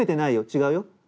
違うよ？